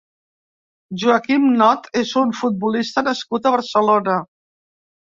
Joaquín Not és un futbolista nascut a Barcelona.